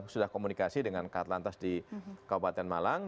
sudah komunikasi dengan kak atlantas di kabupaten malang